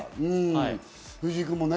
藤井君もね。